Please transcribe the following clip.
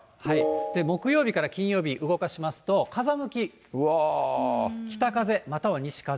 木曜日から金曜日動かしますと、風向き、北風、または西風。